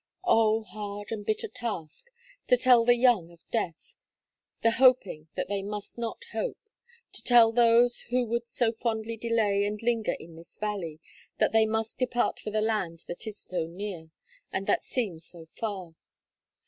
Oh! hard and bitter task: to tell the young of death; the hoping that they must not hope; to tell those who would so fondly delay and linger in this valley, that they must depart for the land that is so near, and that seems so far.